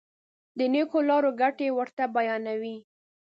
د نېکو لارو ګټې ورته بیانوي.